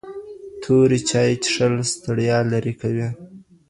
تورې چای څښل ستړیا لرې کوي.